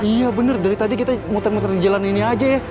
iya bener dari tadi kita muter muter di jalan ini aja ya